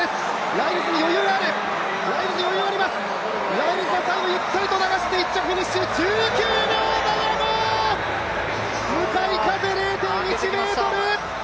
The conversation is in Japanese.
ライルズが最後ゆったりと流して１着フィニッシュ１９秒７５、向かい風０．１メートル。